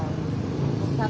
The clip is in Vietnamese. kha toán bột